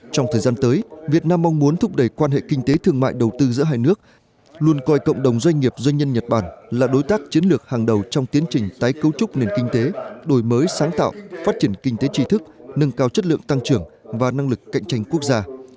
trong thời gian tới việt nam mong muốn thúc đẩy quan hệ kinh tế thương mại đầu tư giữa hai nước luôn coi cộng đồng doanh nghiệp doanh nhân nhật bản là đối tác chiến lược hàng đầu trong tiến trình tái cấu trúc nền kinh tế đổi mới sáng tạo phát triển kinh tế tri thức nâng cao chất lượng tăng trưởng và năng lực cạnh tranh quốc gia